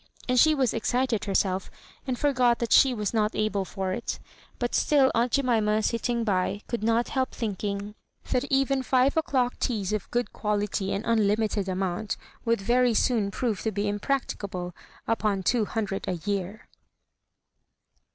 And she was excited herself; and forgot that she was not able for it. But still aunt Jemima, Bitting by, oould not help thinking, that eyen five o'dock teas of good quality and unlimited amount would very soon prove to be impracti cable upon two hundred a year.